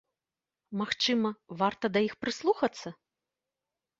Магчыма, варта да іх прыслухацца?